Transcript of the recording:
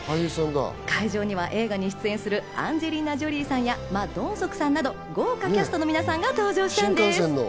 会場には映画に出演するアンジェリーナ・ジョリーさんやマ・ドンソクさんなど豪華キャストの皆さんが登場したんです。